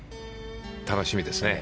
楽しみですね。